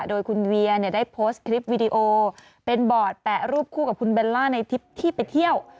โดยคุณเวียได้โพสต์คลิปวิดีโอเป็นบอร์ดแปะรูปคู่กับคุณเบลล่าในทริปที่ไปเที่ยว